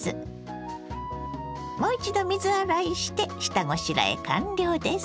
もう一度水洗いして下ごしらえ完了です。